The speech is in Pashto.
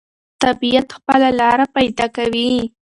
طبیعت خپله لاره پیدا کوي.